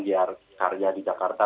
biarkan kerja di jakarta